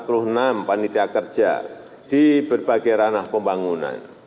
dpr telah mencari pemerintah kerja di berbagai ranah pembangunan